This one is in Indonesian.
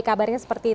kabarnya seperti itu